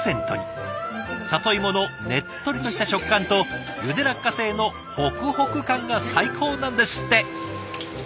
里芋のねっとりとした食感とゆで落花生のホクホク感が最高なんですって。